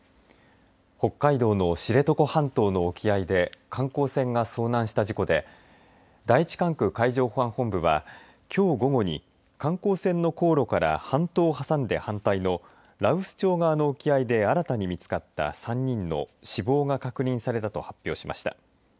北海道の知床半島の沖合で観光船が遭難した事故で第１管区海上保安本部はきょう午後に観光船の航路から半島をはさんで反対の羅臼町側の沖合で新たに見つかった３人の死亡が確認されたと発表しました。